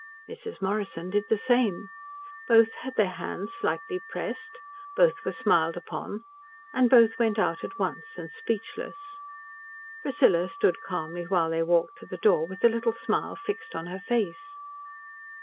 Mrs. Morrison did the same. Both had their hands slightly pressed, both were smiled upon, and both went out at once and speechless. Priscilla stood calmly while they walked to the door, with the little smile fixed on her face.